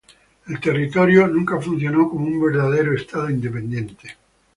El territorio nunca funcionó como un verdadero estado independiente.